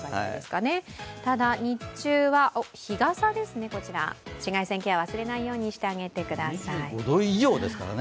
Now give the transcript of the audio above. ただ、日中は日傘ですね、紫外線ケア忘れないようにしてください。